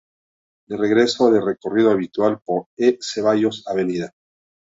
De regreso de recorrido habitual por E. Zeballos; av.